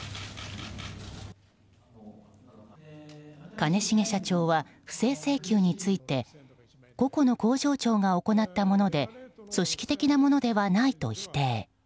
兼重社長は不正請求について個々の工場長が行ったもので組織的なものではないと否定。